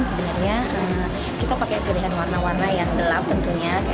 sebenarnya kita pakai pilihan warna warna yang gelap tentunya